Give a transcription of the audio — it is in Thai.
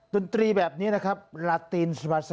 ดนตรีแบบนี้นะครับลาตีนสุบาส